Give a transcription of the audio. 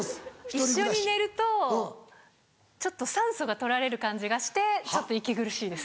一緒に寝るとちょっと酸素が取られる感じがしてちょっと息苦しいです。